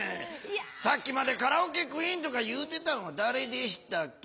さっきまでカラオケクイーンとか言うてたんはだれでしたっけ？